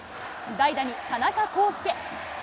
代打に田中広輔。